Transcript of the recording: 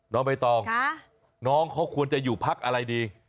น้องใบตองน้องเขาควรจะอยู่พักอะไรดี